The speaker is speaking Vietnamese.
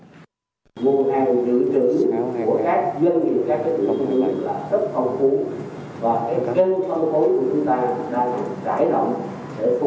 nguồn hàng dự trữ nguồn hàng của các dân thì các dự trữ lương thực là rất phong phú và các dân phong phối của chúng ta đang trải lỏng để phục vụ cho